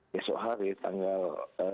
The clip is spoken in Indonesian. besok hari tanggal